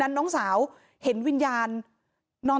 หมาก็เห่าตลอดคืนเลยเหมือนมีผีจริง